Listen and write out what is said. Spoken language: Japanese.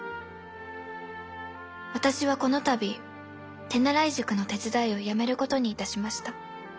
私はこの度手習い塾の手伝いを辞めることにいたしました」。